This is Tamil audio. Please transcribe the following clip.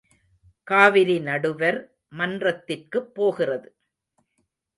காவிரி நடுவர் மன்றத்திற்குப் போகிறது?